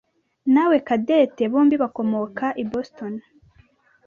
nawe Cadette bombi bakomoka i Boston.